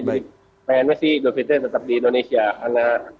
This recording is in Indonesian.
jadi pengennya sih idul fitri tetap di indonesia karena